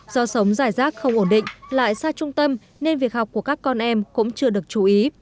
do sống rải rác không ổn định lại xa trung tâm nên việc học của các con em cũng chưa được chú ý